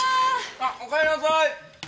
あっおかえりなさい。